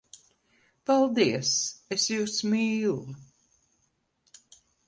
Paldies! Es jūs mīlu!